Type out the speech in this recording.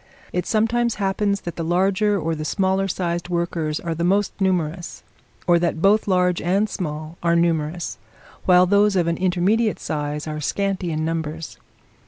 It sometimes happens that the larger or the smaller sized workers are the most numerous; or that both large and small are numerous, while those of an intermediate size are scanty in numbers.